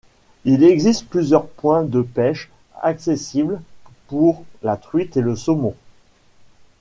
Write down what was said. Il existe plusieurs points de pêche accessibles pour la truite et le saumon.